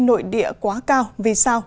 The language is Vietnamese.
nội địa quá cao vì sao